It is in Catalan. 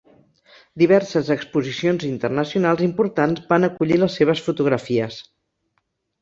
Diverses exposicions internacionals importants van acollir les seves fotografies.